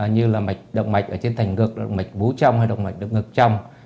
như là mạch động mạch ở trên thành ngực động mạch vú trong hay động mạch ngực trong